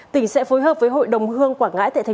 tỉnh sẽ phối hợp với hội đồng hương quảng ngãi tại tp hcm